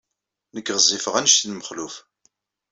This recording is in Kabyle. Nekk ɣezzifeɣ anect n Mexluf.